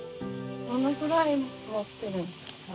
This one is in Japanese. どのぐらい持ってるんですか？。